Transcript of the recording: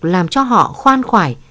làm cho họ khoan khoải